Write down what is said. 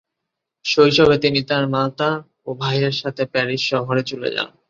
শৈশবে তিনি তার মাতা ও ভাইয়ের সাথে প্যারিস শহরে চলে যান।